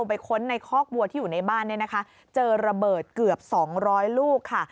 ไปค้นในคอกวัวที่อยู่ในบ้านเนี่ยนะคะเจอระเบิดเกือบ๒๐๐ลูกค่ะ